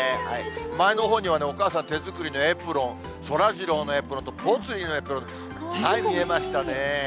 前のほうにはね、お母さん手作りのエプロン、そらジローのエプロンと、ぽつリンのエプロン、はい、見えましたね。